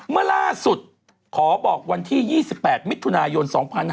เมื่อล่าสุดขอบอกวันที่๒๘มิถุนายน๒๕๕๙